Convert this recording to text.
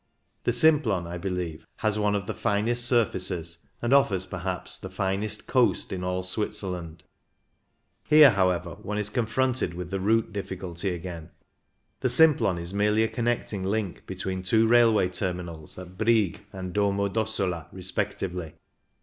The Simplon, I believe, has one of the finest surfaces, and offers, perhaps, the finest ''coast" in all Switzerland. Here, OTHER PASSES 185 however, one is confronted with the route difficulty again. The Simplon is merely a connecting link between two railway terminals at Brieg and Domo d'Ossola respectively.